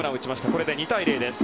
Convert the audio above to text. これで２対０です。